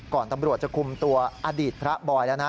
ตำรวจจะคุมตัวอดีตพระบอยแล้วนะ